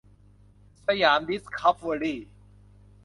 สยามดิสคัฟเวอรี่